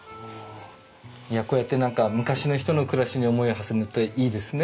いやこうやって何か昔の人の暮らしに思いをはせるのっていいですね。